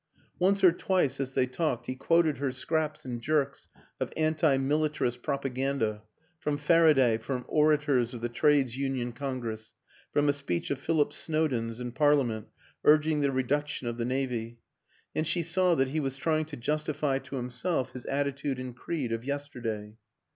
Once or twice as they talked he quoted her scraps and jerks of anti militarist propaganda from Faraday, from orators of the Trades Union Congress, from a speech of Philip Snowden's in Parliament urging the reduc tion of the Navy and she saw that he was try ing to justify to himself his attitude and creed of yesterday.